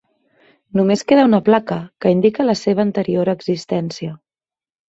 Només queda una placa que indica la seva anterior existència.